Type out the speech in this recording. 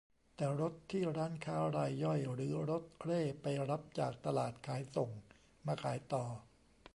แต่รถที่ร้านค้ารายย่อยหรือรถเร่ไปรับจากตลาดขายส่งมาขายต่อ